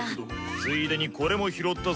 ついでにこれも拾ったぞ。